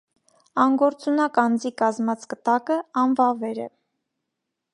Անգործունակ անձի կազմած կտակը անվավեր է։